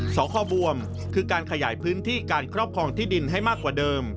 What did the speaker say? สคบวมคือการขยายพื้นที่การครอบครองที่ดินให้มากกว่าเดิม